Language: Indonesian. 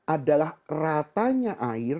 adalah ratanya air